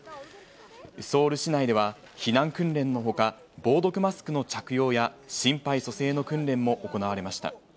ソウル市内では、避難訓練のほか、防毒マスクの着用や、心肺蘇生の訓練も行われました。